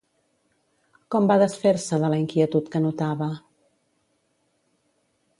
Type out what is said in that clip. Com va desfer-se de la inquietud que notava?